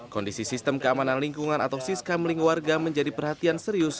kondisi sistem keamanan lingkungan atau siskamling warga menjadi perhatian serius